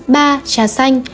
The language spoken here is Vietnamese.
ba trà xanh